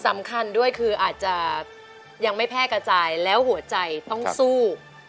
สำคัญด้วยคืออาจจะยังไม่แพร่กระจายแล้วหัวใจต้องสู้